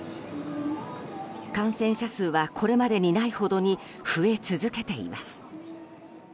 感染者数はこれまでにないほどに増え続けています。